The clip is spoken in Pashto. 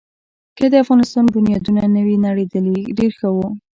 که د افغانستان بنیادونه نه وی نړېدلي، ډېر ښه وو.